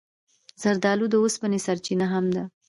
زردالو د اوسپنې سرچینه هم ده.